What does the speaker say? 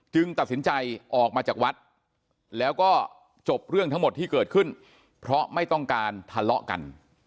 ตัดสินใจออกมาจากวัดแล้วก็จบเรื่องทั้งหมดที่เกิดขึ้นเพราะไม่ต้องการทะเลาะกัน